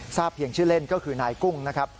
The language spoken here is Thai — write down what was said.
เพียงชื่อเล่นก็คือนายกุ้งนะครับ